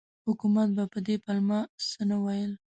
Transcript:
حکومت به په دې پلمه څه نه ویل.